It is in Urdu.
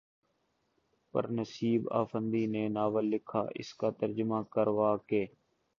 پر نسیب آفندی نے ناول لکھا، اس کا ترجمہ کروا کے